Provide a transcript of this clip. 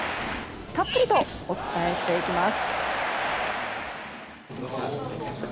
たっぷりとお伝えしていきます。